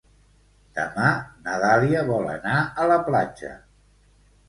Demà na Dàlia vol anar a la platja.